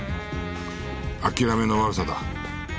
諦めの悪さだ。